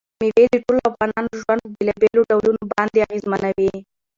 مېوې د ټولو افغانانو ژوند په بېلابېلو ډولونو باندې اغېزمنوي.